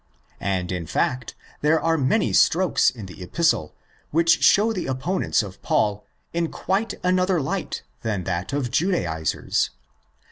And, in fact, there are many strokes in the Epistle which show the opponents of Paul in quite another light than that of Judaisers.